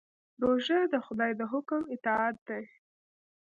روژه د خدای د حکم اطاعت دی.